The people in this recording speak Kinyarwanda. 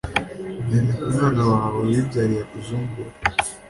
nzimika umwana wawe wibyariye akuzungure